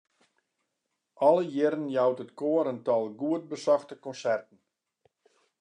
Alle jierren jout it koar in tal goed besochte konserten.